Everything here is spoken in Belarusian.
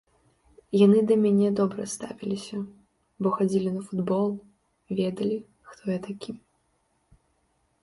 Яны да мяне добра ставіліся, бо хадзілі на футбол, ведалі, хто я такі.